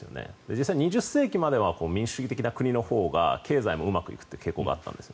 実際２０世紀までは民主主義的な国のほうが経済がうまくいくって傾向があったんです。